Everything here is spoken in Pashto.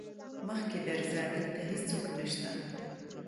مخکې درځه دلته هيڅوک نشته.